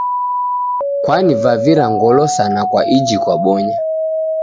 Kwanivavira ngolo sana kwa iji kwabonya.